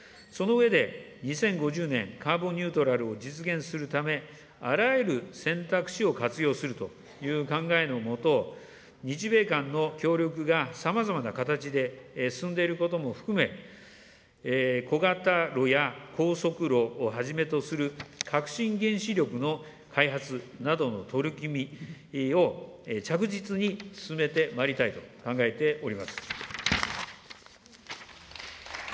その上で、２０５０年カーボンニュートラルを実現するため、あらゆる選択肢を活用するという考えの下、日米間の協力がさまざまな形で進んでいることも含め、小型炉や高速炉をはじめとする革新原子力の開発などの取り組みを着実に進めてまいりたいと考えております。